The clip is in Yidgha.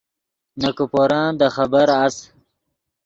نے کیپورن دے خبر اس